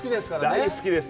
大好きです。